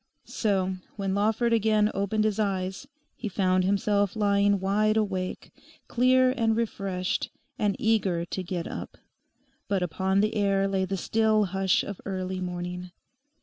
So when Lawford again opened his eyes he found himself lying wide awake, clear and refreshed, and eager to get up. But upon the air lay the still hush of early morning.